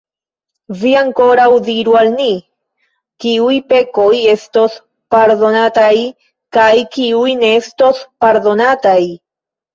Vi ankoraŭ diru al ni: kiuj pekoj estos pardonataj kaj kiuj ne estos pardonataj?